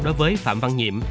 đối với phạm văn nhiệm